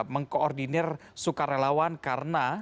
mengkoordinir sukarelawan karena